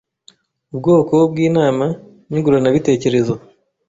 ubwoko bw'inama nyunguranabitekerezo